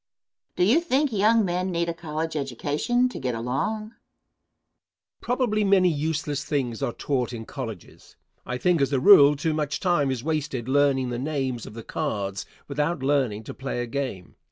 Do you think young men need a college education to get along? Answer. Probably many useless things are taught in colleges. I think, as a rule, too much time is wasted learning the names of the cards without learning to play a game.